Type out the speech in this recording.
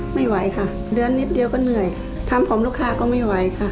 ไม่ไหวค่ะเดือนนิดเดียวก็เหนื่อยทำผมลูกค้าก็ไม่ไหวค่ะ